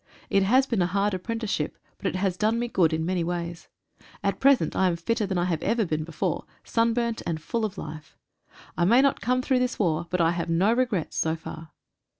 It has been a hard apprenticeship, but it has done me good in many ways. At present I am fitter than I have ever been before — sunburnt and full of life. I may not come through this war, but I have no regrets so far.